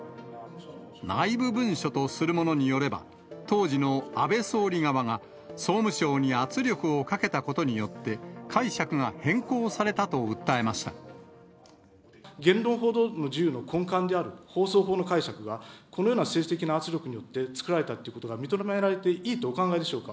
内部文書とするものによれば、当時の安倍総理側が総務省に圧力をかけたことによって、言論報道の自由の根幹である放送法の解釈が、このような政治的な圧力によって作られたっていうことが認められていいとお考えでしょうか。